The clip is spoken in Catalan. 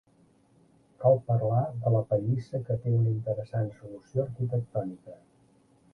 Cal parlar de la pallissa que té una interessant solució arquitectònica.